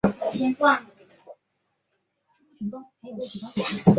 以上几种思维障碍多发于患有思觉失调症的患者。